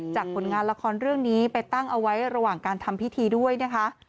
ผลงานละครเรื่องนี้ไปตั้งเอาไว้ระหว่างการทำพิธีด้วยนะคะ